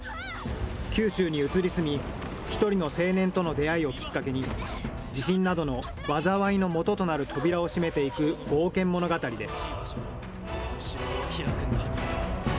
九州に移り住み、１人の青年との出会いをきっかけに、地震などの災いのもととなる扉を閉めていく冒険物語です。